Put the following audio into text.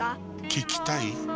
聞きたい？